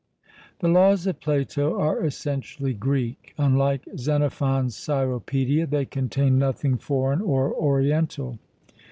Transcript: The Laws of Plato are essentially Greek: unlike Xenophon's Cyropaedia, they contain nothing foreign or oriental.